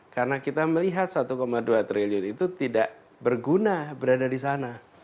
karena kita melihat rp satu dua triliun itu tidak berguna berada di sana